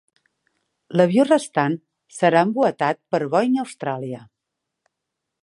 L'avió restant serà emboetat per Boeing Austràlia.